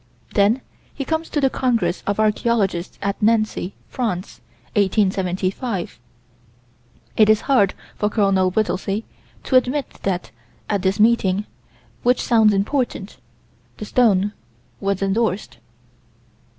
Then he comes to the Congress of Archaeologists at Nancy, France, 1875. It is hard for Col. Whittelsey to admit that, at this meeting, which sounds important, the stone was endorsed.